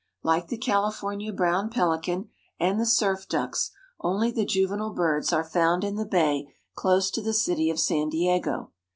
Like the California brown pelican and the surf ducks, only the juvenile birds are found in the bay close to the city of San Diego.